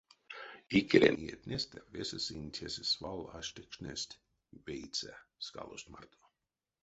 Икелень иетнестэ весе сынь тесэ свал аштекшнесть вейсэ скалост марто.